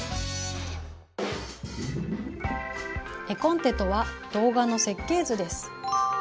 絵コンテとは動画の設計図です。